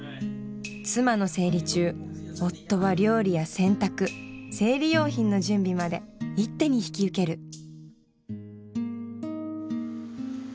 妻の生理中夫は料理や洗濯生理用品の準備まで一手に引き受ける。